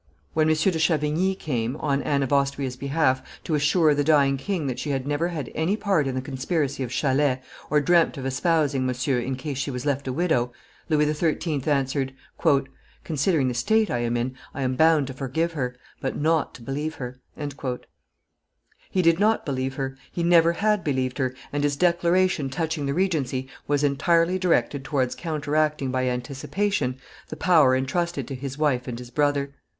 When M. de Chavigny came, on Anne of Austria's behalf, to assure the dying king that she had never had any part in the conspiracy of Chalais, or dreamt of espousing Monsieur in case she was left a widow, Louis XIII. answered, "Considering the state I am in, I am bound to forgive her, but not to believe her." He did not believe her, he never had believed her, and his declaration touching the Regency was entirely directed towards counteracting by anticipation the power intrusted to his wife and his brother.